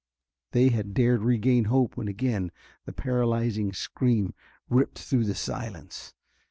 They had dared regain hope when again the paralyzing scream ripped through the silence.